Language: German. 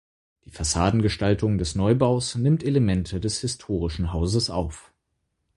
Die Fassadengestaltung des Neubaus nimmt Elemente des historischen Hauses auf.